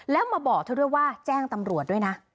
แล้วมาบอกเธอด้วยว่าแจ้งตำรวจด้วยนะ